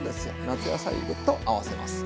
夏野菜と合わせます。